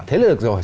thế là được rồi